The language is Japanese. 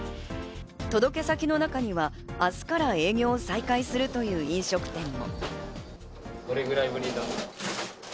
届け先の中には明日から営業再開するという飲食店も。